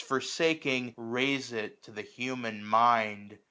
t6t t*otsaking, raise it to the human mind.